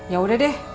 ya udah deh